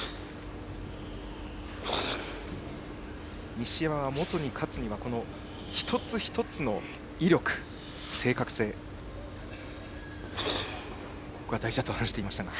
西山は、本に勝つには一つ一つの威力、正確性ここが大事だと話していました。